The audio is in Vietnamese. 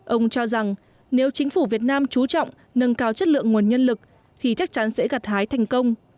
ông cho rằng nếu chính phủ việt nam trú trọng nâng cao chất lượng nguồn nhân lực thì chắc chắn sẽ gặt hái thành công